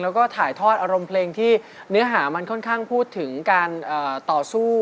แล้วก็ถ่ายทอดอารมณ์เพลงที่เนื้อหามันค่อนข้างพูดถึงการต่อสู้